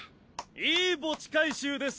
いい墓地回収です